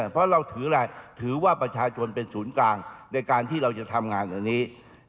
เพราะเราถือว่าประชาชนเป็นศูนย์กลางในการที่เราจะทำงานอันนี้